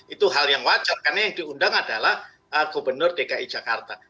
itu hal yang wajar karena yang diundang adalah gubernur dki jakarta